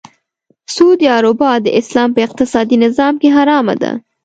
سود یا ربا د اسلام په اقتصادې نظام کې حرامه ده .